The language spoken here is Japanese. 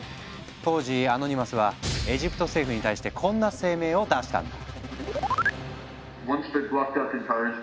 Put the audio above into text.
当時アノニマスはエジプト政府に対してこんな声明を出したんだ。